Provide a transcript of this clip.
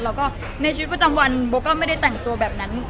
แล้วก็ในชีวิตประจำวันโบก็ไม่ได้แต่งตัวแบบนั้น